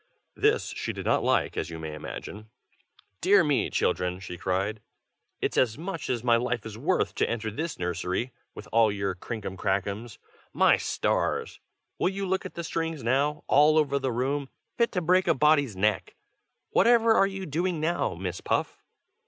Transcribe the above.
This she did not like, as you may imagine. "Dear me! children," she cried, "it's as much as my life is worth to enter this nursery, with all your crinkum crankums! my stars! will you look at the strings now, all over the room, fit to break a body's neck! Whatever are you doing now, Miss Puff?"